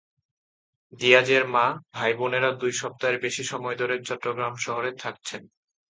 দিয়াজের মা, ভাইবোনেরা দুই সপ্তাহের বেশি সময় ধরে চট্টগ্রাম শহরে থাকছেন।